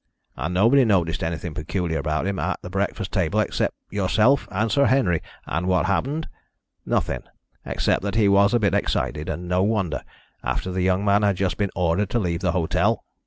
And nobody noticed anything peculiar about him at the breakfast table except yourself and Sir Henry and what happened? Nothing, except that he was a bit excited and no wonder, after the young man had just been ordered to leave the hotel.